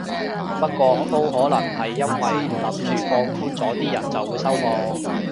不過都可能係因為諗住放寬咗啲人就會收貨